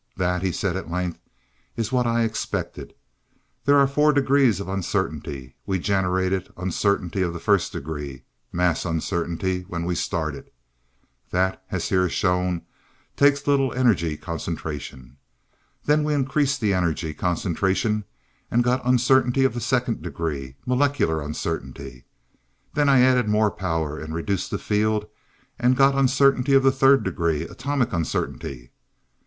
"That," he said at length, "is what I expected. There are four degrees of uncertainty, we generated 'Uncertainty of the First Degree,' 'Mass Uncertainty,' when we started. That, as here shown, takes little energy concentration. Then we increased the energy concentration and got 'Uncertainty of the Second Degree,' 'Molecular Uncertainty.' Then I added more power, and reduced the field, and got 'Uncertainty of the Third Degree' 'Atomic Uncertainty.'